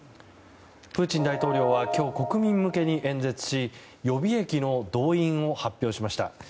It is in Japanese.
プーチン大統領は今日国民向けに演説し、予備役の動員を発表しました。